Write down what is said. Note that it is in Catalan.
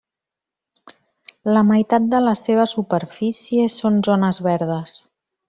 La meitat de la seva superfície són zones verdes.